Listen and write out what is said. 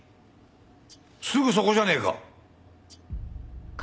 すぐそこじゃねえか。